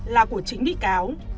là của chính bị cáo